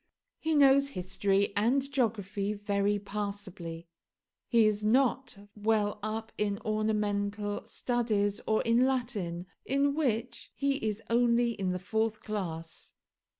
He knows history and geography very passably. He is not well up in ornamental studies or in Latin in which he is only in the fourth class.